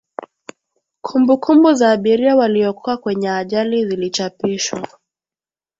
kumbukumbu za abiria waliookoka kwenya ajali zilichapishwa